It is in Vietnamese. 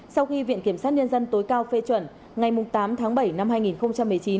sau khi viện kiểm sát nhân dân tối cao phê chuẩn ngày tám tháng bảy năm hai nghìn một mươi chín